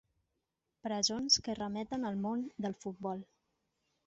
Presons que remeten al món del futbol.